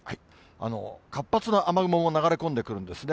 活発な雨雲も流れ込んでくるんですね。